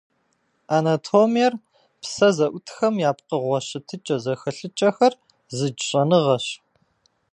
Анатомиер - псэ зыӏутхэм я пкъыгъуэ щытыкӏэ-зэхэлъыкӏэхэр зыдж щӏэныгъэщ.